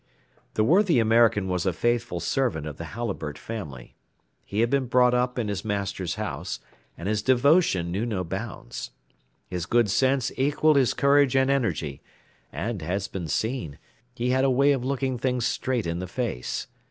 The worthy American was a faithful servant of the Halliburtt family; he had been brought up in his master's house, and his devotion knew no bounds. His good sense equalled his courage and energy, and, as has been seen, he had a way of looking things straight in the face.